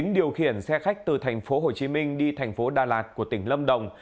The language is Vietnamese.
điều khiển xe khách từ thành phố hồ chí minh đi thành phố đà lạt của tỉnh lâm đồng